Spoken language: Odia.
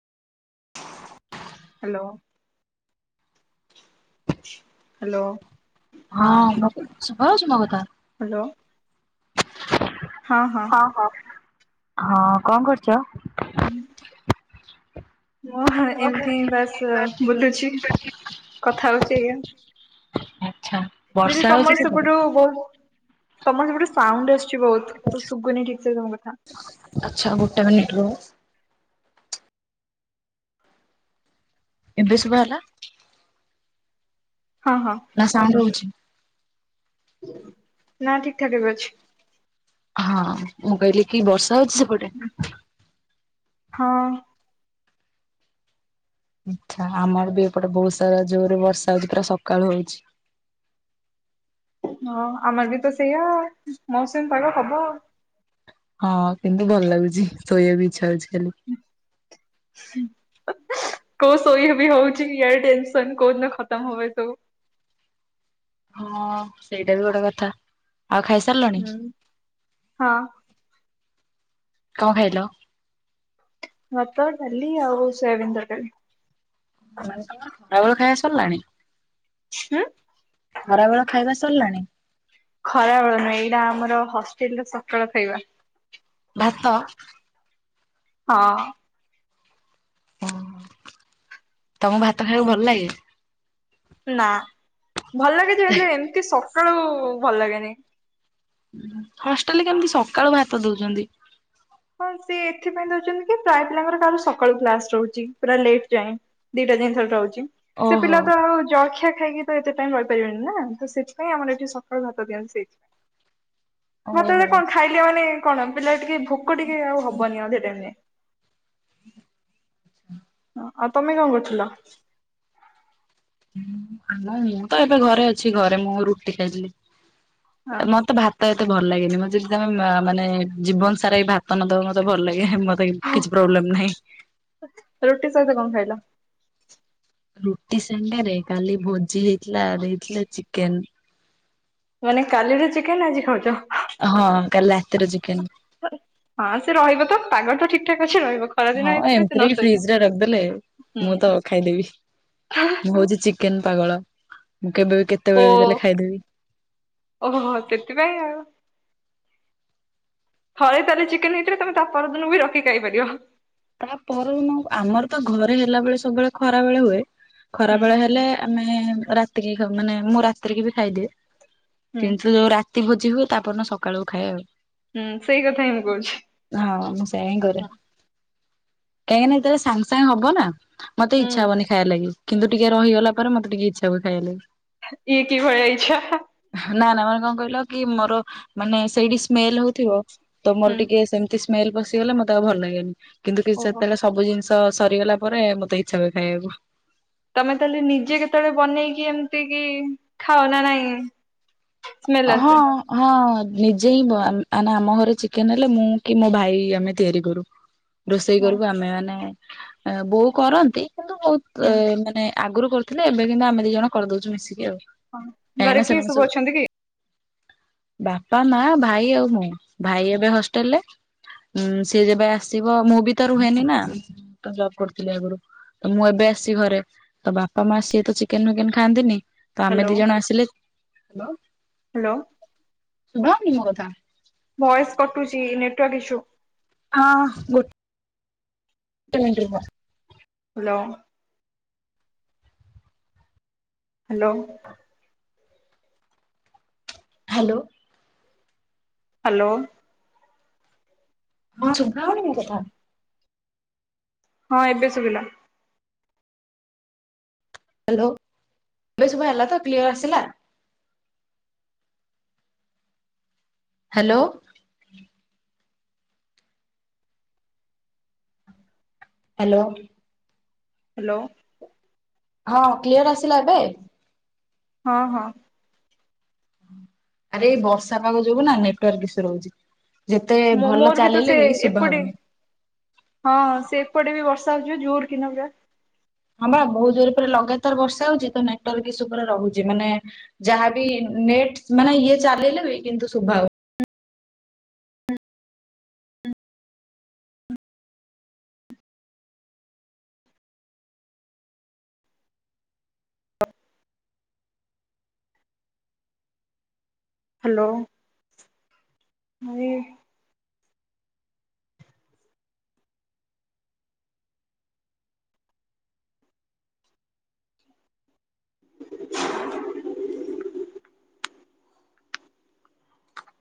ହ୍ୟାଲୋ। ହ୍ୟାଲୋ। ହଁ [unintelligible] ଶଭାଯାଉଚି ମୋ କଥା? ହ୍ୟାଲୋ। ହଁ ହଁ! ହଁ ହଁ ହଁ କଣ କରୁଚ? [unintelligible] ମୁଁ ଏମିତି ବାସ୍ ବୁଲୁଛି [inaudible] କଥା ହଉଛି ଆଜ୍ଞା [unintelligible] ଦିଦି ହଉଛି ତମର ସେପଟେ? ସେପଟୁ ବହୁତ୍ ତମର ସେପଟୁ ସାଉଣ୍ଡ ଆସିଛି ବହୁତ। ତ ଶୁଗୁନି ଠିକ ସେ ତମ କଥା। ଆଚ୍ଛା ଗୋଟେ ମିନିଟ୍ ରୁହ। ଏବେ ଶୁଭା ହେଲା। ହଁ ହଁ। ନା ସାଉଣ୍ଡ ହୋଉଚି। ନା ଠିକ୍‌ ଠାକ୍ ଏବେ ଅଛି। ହଁ। ମୁଁ କହିଲି କି ବର୍ଷା ହୋଉଚି ସେପଟେ? ହଁ। ଆଛା ଆମର ବି ଏପଟେ ବହୁତ ସାରା ଜୋରରେ ବର୍ଷା ହୋଉଚି। ପୁରା ସକାଳୁ ହୋଉଚି। ହଁ ଆମର ବି ତ ସେଇଆ ମୌସୁମୀ ପାଗ ହବ। ହଁ କିନ୍ତୁ ଭଲ ଲାଗୁଚି। ଶୋଇବା ବି ଇଚ୍ଛା ହୋଉଚି ଖାଲି। [unintelligible] କୋଉ ଶୋଇ ବି ହୋଉଛି ୟାଡେ ଟେନସନ କୋଉଦିନ ଖତମ ହବ ଏ ସବୁ। ହଁ ସେଇଟା ବି ଗୋଟେ କଥା। ଆଉ ଖାଇସାରିଲଣି ହୁଁ ହଁ କଣ ଖାଇଲ? ଭାତ, ଡାଲି ଆଉ ସୋୟାବିନ୍ ତରକାରୀ। ଖରାବେଳ ଖାଇବା ସରିଲାଣି? ଉଁ। ଖରାବେଳ ଖାଇବା ସରିଲାଣି? ଖରା ବେଳ ନୁହେଁ ଏଇଟା ଆମର ହଷ୍ଟେଲ୍ ରେ ସକାଳ ଖାଇବା। ଭାତ। ହଁ। ଓ ତମକୁ ଭାତ ଖାଇବାକୁ ଭଲ ଲାଗେ। ନା ଭଲ ଲାଗେ ଯେ ହେଲେ ଏମିତି ସକାଳୁ ଭଲ ଲାଗେନି। ହଷ୍ଟେଲରେ କେମିତି ସକାଳୁ ଭାତ ଦେଉଛନ୍ତି। ହଁ ସେଥିପାଇଁ ଦୋଉଛନ୍ତି କି ପ୍ରାୟ ପିଲାଙ୍କର କା ସକାଳୁ କ୍ଲାସ ରହୁଛି ପୁରା ଲେଟ ଯାଏଁ। ଦିଟା ଜିନିଷ ଏଠି ରହୁଚି ସେ ଓହୋ। ପିଲା ତ ଆଉ ଜଳଖିଆ ଖାଇକି ତ ଏଥିପାଇଁ ରହିପାରିବେନି ନା ତ ସେଥିପାଇଁ ଆମର ଏଠି ସକାଳୁଭାତ ଦିଆଯାଉଛି ସେଇଥି ମତେ ଏ ଓହୋ। କଣ ଖାଇଲି ମାନେ କଣ ପିଲା ଟିକେ ଭୋକ ଟିକେ ଆଉ ହବନି ଆଉ ବଧେ ଡେଲି। ହଁ ଆଉ ତମେ କଣ କରୁଥିଲ? ଆ ମୁଁ ତ ଏବେ ଘରେ ଅଛି ଘରେ ମୁଁ ରୁଟି ହଁ ଖାଇଥିଲି। ମତେ ଭା ତ ଏତେ ଭଲ ଲାଗେନି ମୁଁ ଯଦି ତମେ ମାନେ ଜୀବନ ସାରା ଭାତ ନ ଦବ ମତେ ଭଲ ଲାଗେ। ନାଇଁ କିଛି ପ୍ରୋବ୍ଲେମ୍ ନାହିଁ। ରୁଟି ସହିତ କଣ ଖାଇଲ? ରୁଟି ସାଙ୍ଗରେ କାଲି ଭୋଜି ହେଇଥିଲା ଆ ଦେଇଥିଲେ ଚିକେନ। ମାନେ କାଲିର ଚିକେନ ଆଜି ଖାଉଚ। ହଁ କାଲି ରାତିର ଚିକେନ। ହଁ ସେ ରହିବ ତ ପାଗର ତ ଠିକ୍ ଠାକ ଅଛି ରହିବ। ଖରାଦିନ ହଁ ହେଇଥିଲେ ସେ ଏମିତିରେ ନଷ୍ଟ ବି ଫ୍ରିଜ ହେଇଯିବ। ରେ ରଖିଦେଲେ ମୁଁ ତ ଖାଇଦେବି। ମୁଁ ହୋଉଚି ଚିକେନ ପାଗଳ ମୁଁ କେବେ ବି ହୁଁ କେତେବେଳେ ବି ଦେଲେ ଓ ଖାଇଦେବି। ଓହୋ ସେଥିପାଇଁ ଆଉ। ଘରେ ତାହେ ଚିକେନ ହେଇଥିଲେ ତମେ ତ ପରଦିନ ବି ରଖି ଖାଇପାରିବ। ତାପ ପରଦିନ ଆମର ତ ଘରେ ହେଲା ବଳେ ସବୁବେଳେ ଖରା ବେଳେ ହୁଏ। ଖରା ହୁଁ ବେଳେ ହେଲେ ଆମେ ରାତିକି ଖାଉ ମାନେ ମୁଁ ରାତିରେ କି ବି ଖାଇଦିଏ। ହୁଁ। କିନ୍ତୁ ଯୋଉ ରା ରାତି ଭୋଜି ହୁଏ ତା ପରଦିନ ସକାଳୁ ଖାଏ ଆଉ। ହୁଁ ସେଇ କଥା ହିଁ ମୁଁ କହୁଛି। ହଁ ମୁଁ ସେଇଁଆ ଘରେ। ଏଇନେ ଏତେ ସାଙ୍ଗେ ସାଙ୍ଗେ ହବ ନା ମତେ ହୁଁ ଇଚ୍ଛା ହୁଁ। ହବନି ଖାଇଆ ଲାଗି କିନ୍ତୁ ଟିକେ ରହିଗଲା ପରେ ମତେ ଟିକେ ଇଚ୍ଛା ହୁଏ ଖାଇଆ ଲାଗି। ଇଏ କି ଭଳିଆ ଇଛା। ନା ନା ମାନେ କଣ କହିଲ କି ମୋର ମାନେ ସେଇଠି ସ୍ମେଲ ହେଉଥିବ ତ ହୁଁ। ମୋର ଟିକେ ସେମିତି ସ୍ମେଲ ପଶିଗଲେ ମତେକୁ ଭଲ ଲାଗେନି କିନ୍ତୁ କି ଓହୋ ସେତେବେଳେ ସବୁ ଜିନିଷ ତ ସରିଗଲା ପରେ ମତେ ଇଚ୍ଛା ହୁଏ ଖାଇବାକୁ। ତମେ ତାହେଲେ ନିଜେ କେତେବେଳେ ବନେଇକି ଏମିତି କି ଖାଅ ନା ନାଇଁ? ସ୍ମେଲ ହଁ। ଆସେ? ହଁ ନିଜେ ହିଁ ମ ଆମ ଘରେ ଚିକେନ ହେଲେ ମୁଁ କି ମୋ ଭାଇ ଆମେ ତିଆରି କରୁ। ହ [unintelligible] ରୋଷେଇ ହଁ କରିବୁ ଆମେ ମାନେ ବୋଉ କରନ୍ତି କିନ୍ତୁ ବହୁତ ହୁଁ ମାନେ ଆଗରୁ କରୁ ଥିଲେ ଏବେ କିନ୍ତୁ ଆମେ ଦି ଜଣ କରିଦଉଛୁ ମିଶିକି ଆଉ। ହଁ କାହିଁକିନା ଘରେ କିଏ ସେମାନେ ସବୁ ଅଛନ୍ତି? କି? ବାପା ମା ଭାଇ ଆଉ ମୁଁ ଭାଇ ଏବେ ହଷ୍ଟେଲରେ। ସିଏ ଯେବେ ଆସିବ ମୁଁ ବି ତ ରୁହେନି ନା ତ ଜବ୍ କରିଥିଲି ଆଗରୁ। ତ ମୁଁ ଏବେ ଆସିିଛିଘରେ ତ ବାପା ମା ସିଏ ତ ଚିକେନ ଫିକେନ କେବେଖାଆନ୍ତିନି। ତ ଆମେ ହ୍ୟାଲୋ ଦି ଜଣ ଆସିଲେ ହ୍ୟାଲୋ। ଶୁଭଉନି ମୋ କଥା? ଭଏସ କଟୁଛି ନେଟୱାର୍କ ଇସୁ ହଁ ଗୋଟ୍ ଗୋଟେ ମିଣ୍ଟି ରହ। ହ୍ୟାଲୋ। ହ୍ୟାଲୋ। ହ [unintelligible] ହ୍ୟାଲୋ। ହ୍ୟାଲୋ। ହଁ ଶୁଭା ହଉନି କି କଥା? ହଁ ଏବେ ଶୁଭିଲା। ହ୍ୟାଲୋ ଏବେ ଶୁଭା ହେଲା ତ କ୍ଲିୟର ଆସିଲା? ହ୍ୟାଲୋ। ହ୍ୟାଲୋ। ହ୍ୟାଲୋ। ହଁ କ୍ଲିୟର ଆସିଲା ଏବେ? ହଁ ହଁ। ଆରେ ଏଇ ବର୍ଷା ପାଗ ଯୋଗୁ ନା ନେଟୱାର୍କ ଇସୁ ରହୁଛି ଯେତେ ମୋ ଭଲ ମୋର ତ ସେ ଚାଲିଲେ ବି ଶୁଭା ଏପଟେ ହଉନି। ହଁ ସେପଟେ ବି ବର୍ଷା ହଉଛିିବା ଜୋର କି ନା ପୁରା। ହଁ ବା ବହୁତ ଜୋରପୁରା ଲଗାତାର ବର୍ଷା ହଉଛି ତ ନେଟୱ୍ବର୍କ ଇସୁ ଉପରେ ରହୁଛି ମାନେ ଯାହାବି ନେଟ ମାନେ ଇଏ ଚାଲିଲେ ବି କିନ୍ତୁ ଶୁଦ୍ଭା ହଉନି। ହ୍ୟାଲୋ ଭି